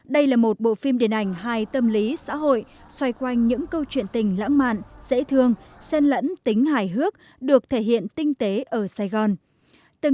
đây là một bộ phim điện ảnh hai tâm lý xã hội xoay quanh những câu chuyện tình lãng mạn dễ thương xen lẫn tính hài hước được thể hiện tinh tế ở sài gòn